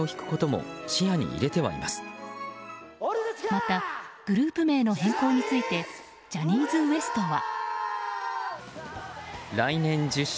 またグループ名の変更についてジャニーズＷＥＳＴは。